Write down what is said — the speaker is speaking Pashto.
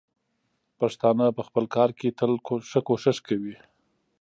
پښتانه په خپل کار کې تل ښه کوښښ کوي.